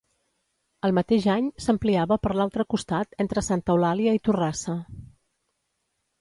El mateix any s'ampliava per l'altre costat entre Santa Eulàlia i Torrassa.